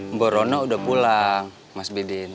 mbak rono sudah pulang mas bidin